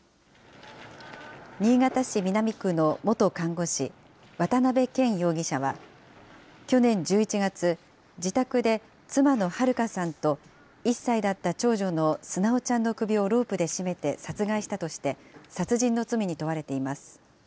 新潟市南区の元看護師、渡辺健容疑者は、去年１１月、自宅で妻の春香さんと、１歳だった長女の純ちゃんの首をロープで絞めて殺害したとして、殺人の罪に問われています。